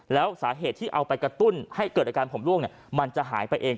แล้วสาเหตุที่เอาไปกระตุ้นให้เกิดอาการผมล่วงมันจะหายไปเอง